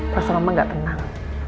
perasaan mama nggak tenang